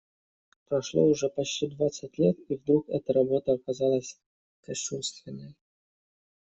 Прошло уже почти двадцать лет, и вдруг эта работа оказалась кощунственной.